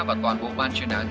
và toàn bộ ban chuyên án